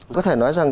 có thể nói rằng